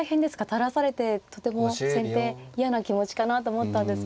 垂らされてとても先手嫌な気持ちかなと思ったんですけれども。